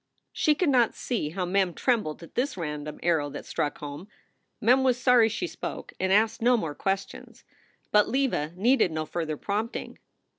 She could not see how Mem trembled at this random arrow that struck home. Mem was sorry she spoke and asked no more questions. But Leva needed no further prompting.